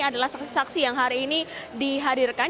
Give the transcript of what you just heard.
adalah saksi saksi yang hari ini dihadirkan